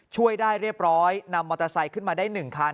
ช่วยได้เรียบร้อยนำมอเตอร์ไซค์ขึ้นมาได้๑คัน